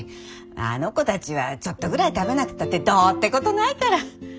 あの子たちはちょっとぐらい食べなくったってどうってことないから。